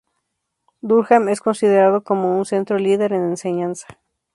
Durham es considerado como un centro líder en enseñanza.